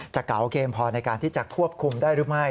เก๋าเกมพอในการที่จะควบคุมได้หรือไม่